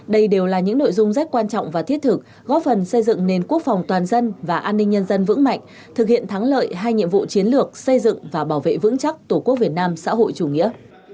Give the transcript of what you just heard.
đây đều là những nội dung rất quan trọng và thiết thực góp phần xây dựng nền quốc phòng toàn dân và an ninh nhân dân vững mạnh thực hiện thắng lợi hai nhiệm vụ chiến lược xây dựng và bảo vệ vững chắc tổ quốc việt nam xã hội chủ nghĩa